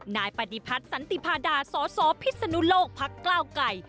นายปฏิพัฒน์สันติพาดาสสพิศนุโลกพักกล้าวไก่